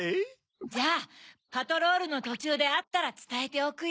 じゃあパトロールのとちゅうであったらつたえておくよ。